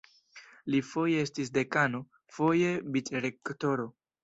Li foje estis dekano, foje vicrektoro.